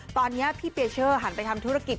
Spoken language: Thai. ตอนนี้พี่เปียเชอร์หันไปทำธุรกิจ